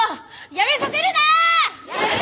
辞めさせるなー！